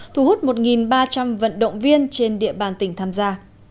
thu hút một ba trăm linh vận động viên trên địa bàn tỉnh tham gia